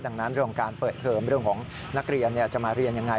ดังนั้นเรื่องการเปิดเทอมเรื่องของนักเรียนจะมาเรียนยังไง